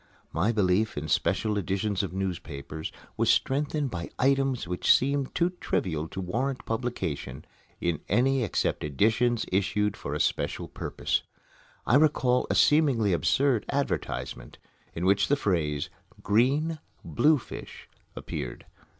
My belief in special editions of newspapers was strengthened by items which seemed too trivial to warrant publication in any except editions issued for a special purpose. I recall a seemingly absurd advertisement, in which the phrase, "Green Bluefish," appeared.